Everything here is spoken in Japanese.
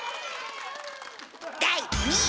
第２位！